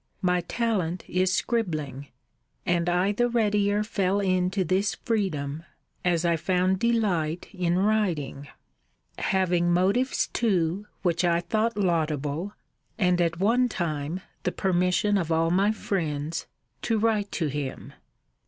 My talent is scribbling; and I the readier fell into this freedom, as I found delight in writing; having motives too, which I thought laudable; and, at one time, the permission of all my friends; to write to him.